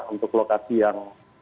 untuk lokasi yang